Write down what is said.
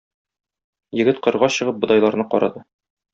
Егет кырга чыгып бодайларны карады.